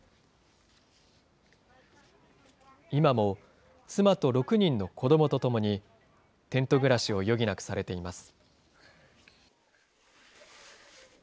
今も妻と６人の子どもと共に、テント暮らしを余儀なくされています。